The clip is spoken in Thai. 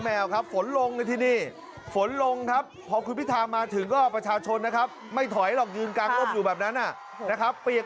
ไม่แล้วไปชิมอาจจะซื้ออะไรได้